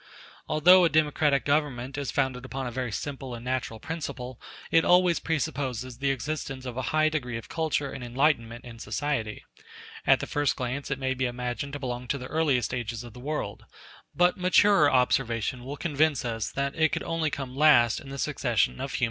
Although a democratic government is founded upon a very simple and natural principle, it always presupposes the existence of a high degree of culture and enlightenment in society. *d At the first glance it may be imagined to belong to the earliest ages of the world; but maturer observation will convince us that it could only come last in the succession of human history.